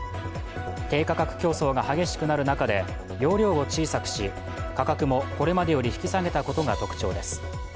低価格競争が激しくなる中で容量を小さくし価格もこれまでより引き下げたことが特徴です。